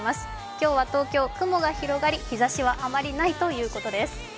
今日は東京、雲が広がり、日ざしはあまりないということです。